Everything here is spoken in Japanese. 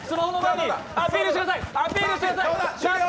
アピールしてください！